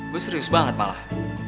gue serius banget malah